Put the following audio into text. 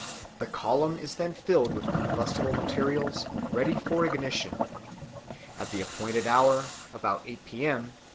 The column is then filled with combustible materials, ready for ignition. At an appointed hour about 8 P.M.